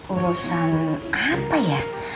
urusan apa ya